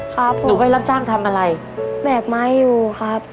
หนูไปรับจ้างทำอะไรแบกไม้อยู่ครับ